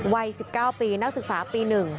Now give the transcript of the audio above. วัย๑๙ปีนักศึกษาปี๑